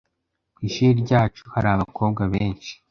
Ku ishuri ryacu hari abakobwa benshi